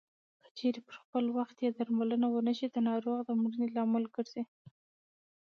که چېرې پر خپل وخت یې درملنه ونشي د ناروغ د مړینې لامل ګرځي.